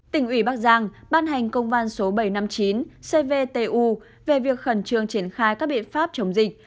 tỉnh ủy bắc giang ban hành công văn số bảy trăm năm mươi chín cvtu về việc khẩn trương triển khai các biện pháp chống dịch